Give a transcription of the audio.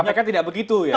kpk tidak begitu ya